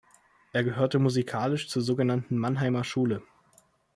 Er gehörte musikalisch zur sogenannten Mannheimer Schule.